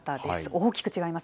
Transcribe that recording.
大きく違います。